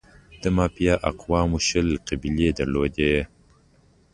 د مایا اقوامو شل قبیلې درلودې.